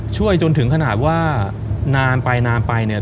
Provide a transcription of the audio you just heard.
ช่วยจนถึงขนาดว่านานไปไปเนี่ย